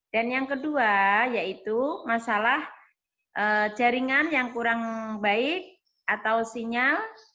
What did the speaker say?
dan yang kedua yaitu masalah jaringan yang kurang baik atau sinyal